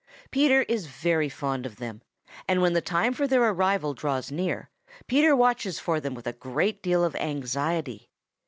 Peter is very fond of them, and when the time for their arrival draws near, Peter watches for them with a great deal of anxiety.